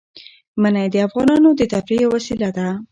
منی د افغانانو د تفریح یوه وسیله ده.